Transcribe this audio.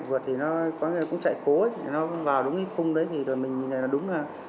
vượt thì nó có nghĩa là cũng chạy cố ấy nó vào đúng cái khung đấy thì mình nhìn này là đúng là